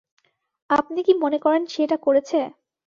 আপনি কি মনে করেন সে এটা করেছে?